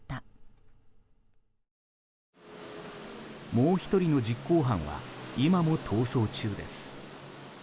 もう１人の実行犯は今も逃走中です。